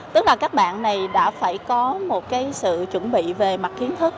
tức là các bạn này đã phải có một sự chuẩn bị về mặt kiến thức